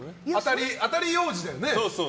当たりようじだよね。